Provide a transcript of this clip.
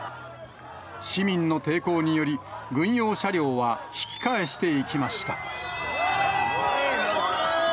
市民の抵抗により、軍用車両は引き返していきました。